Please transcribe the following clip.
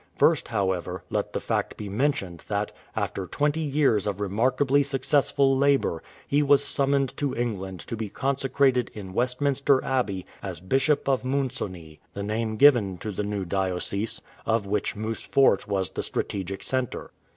First, however, let the fact be mentioned that, after twenty years of remarkably successful labour, he was summoned to England to be consecrated in Westminster Abbey as Bishop of Moosonee, the name given to the new diocese, of which Moose Fort was the strategic centre.